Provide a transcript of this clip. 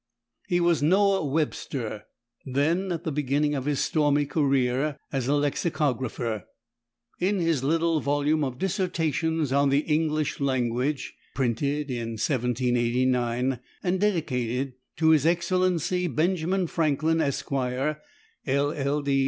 He was Noah Webster, then at the beginning of his stormy career as a lexicographer. In his little volume of "Dissertations on the English Language," printed in 1789 and dedicated to "His Excellency, Benjamin Franklin, Esq., LL.